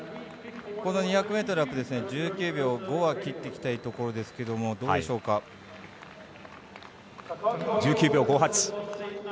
この２００ｍは、１９秒５は切っておきたいところですが１９秒５８。